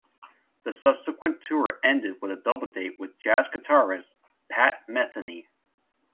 The subsequent tour ended with a double date with Jazz guitarist Pat Metheny.